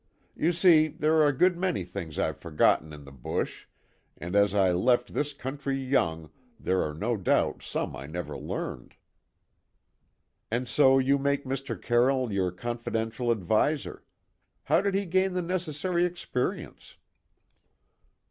You see, there are a good many things I've forgotten in the bush, and as I left this country young, there are no doubt some I never learned." "And so you make Mr. Carroll your confidential adviser. How did he gain the necessary experience?"